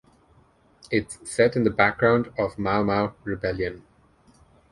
It's set in the background of Mau Mau rebellion.